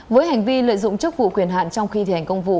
với hành vi lợi dụng chức vụ quyền hạn trong khi thi hành công vụ